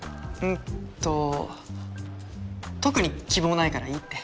んっと特に希望はないからいいって。